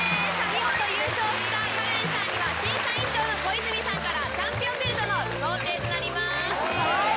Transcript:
見事優勝したカレンさんには審査委員長の小泉さんからチャンピオンベルトの贈呈となります。